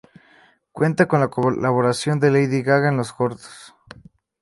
Cuenta con la colaboración de Lady Gaga en los coros.